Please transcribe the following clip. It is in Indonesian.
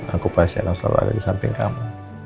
aku pasti enak selalu ada di samping kamu